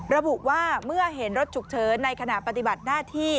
ระบุว่าเมื่อเห็นรถฉุกเฉินในขณะปฏิบัติหน้าที่